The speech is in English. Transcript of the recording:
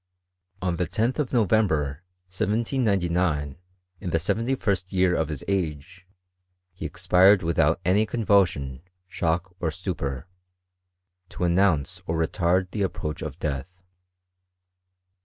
On the 10th of November, 1799, in the seventy first year of his age, he expired without any convulsion, shock, or stupor, to announce or retard the approach of death.